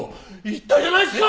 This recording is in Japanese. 言ったじゃないか！